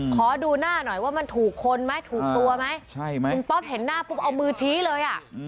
ขอดูหน้าหน่อยว่ามันถูกคนไหมถูกตัวไหมใช่ไหมคุณป๊อปเห็นหน้าปุ๊บเอามือชี้เลยอ่ะ